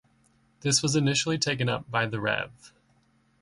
This was initially taken up by The Rev.